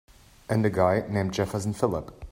And a guy named Jefferson Phillip.